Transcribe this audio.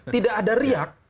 tidak ada riak